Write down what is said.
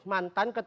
mantan ketua rw